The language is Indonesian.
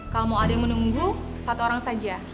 kalau mau ada yang menunggu satu orang saja